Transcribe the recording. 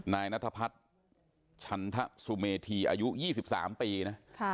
นายนัทพัฒน์ชันทสุเมธีอายุ๒๓ปีนะ